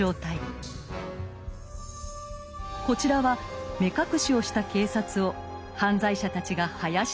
こちらは目隠しをした警察を犯罪者たちがはやしたてている風刺画。